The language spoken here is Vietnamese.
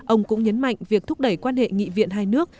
ông cũng nhấn mạnh việc thúc đẩy quan hệ nghị viện hai nước